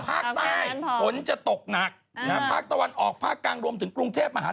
โอเคไหมก็จบแล้วกูเหนื่อย